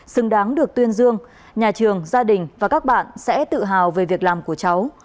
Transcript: xứng đáng được tuyên dương nhà trường gia đình và các bạn sẽ tự hào về việc làm của cháu